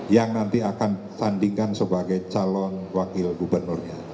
yang nanti akan ditandingkan sebagai calon wakil gubernurnya